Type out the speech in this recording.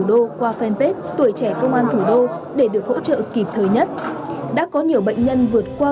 thủ đô qua fanpage tuổi trẻ công an thủ đô để được hỗ trợ kịp thời nhất đã có nhiều bệnh nhân vượt qua